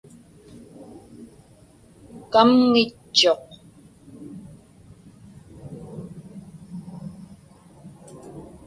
Kamŋitchuq.